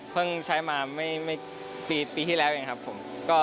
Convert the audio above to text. เพิ่งใช้มาปีที่แล้วยังครับผม